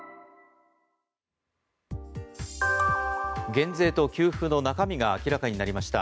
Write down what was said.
減税と給付の中身が明らかになりました。